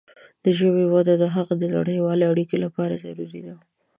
د ژبې وده د هغې د نړیوالې اړیکې لپاره ضروري ده.